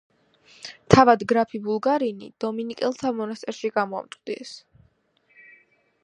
თავად გრაფი ბულგარინი დომინიკელთა მონასტერში გამოამწყვდიეს.